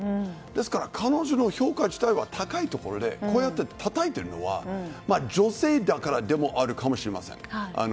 ですから、彼女の評価自体は高いところでこうやってたたいているのは女性だからでもあるかもしれません。